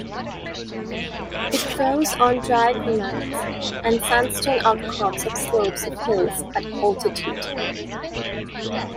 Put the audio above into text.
It grows on dry granite and sandstone outcrops of slopes of hills at altitude.